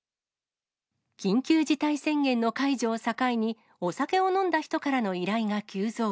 緊急事態宣言の解除を境に、お酒を飲んだ人からの依頼が急増。